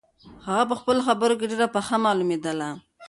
هغه په خپلو خبرو کې ډېره پخه معلومېدله.